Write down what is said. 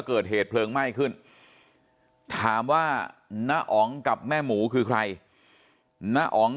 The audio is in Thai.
เกิดเหตุเพลิงไหม้ขึ้นถามว่าน้าอ๋องกับแม่หมูคือใครน้าอ๋อง